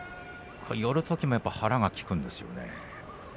寄るときも腹が効くんですよね。